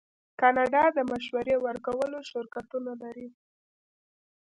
کاناډا د مشورې ورکولو شرکتونه لري.